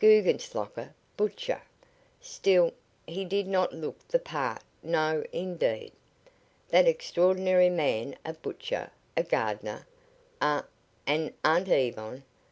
Guggenslocker butcher! Still, he did not look the part no, indeed. That extraordinary man a butcher, a gardener, a and Aunt Yvonne?